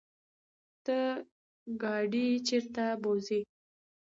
ته ګاډی چرته بوځې؟